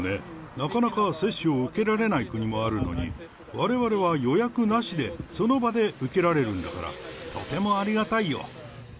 なかなか接種を受けられない国もあるのに、われわれは予約なしでその場で受けられるんだから、とてもありがたいよ。